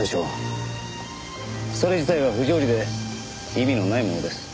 それ自体は不条理で意味のないものです。